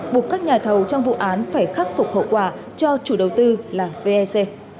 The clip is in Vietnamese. buộc các nhà thầu trong vụ án phải khắc phục hậu quả cho chủ đầu tư là vec